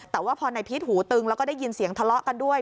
แต่ว่าพอนายพีชหูตึงแล้วก็ได้ยินเสียงทะเลาะกันด้วย